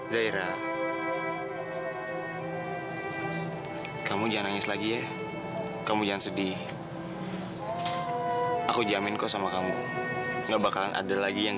zaira kamu jangan nangis lagi ya kamu jangan sedih aku jamin kok sama kamu enggak bakalan ada lagi yang